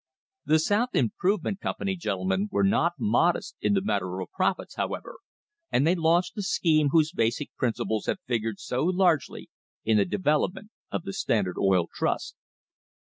The South Improvement Company gentlemen were not modest in the matter of profits, however, and they launched the scheme whose basic principles have figured so largely in the devel opment of the Standard Oil Trust.